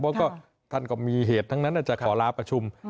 เพราะท่านก็มีเหตุทั้งนั้นจะขอลาประชุม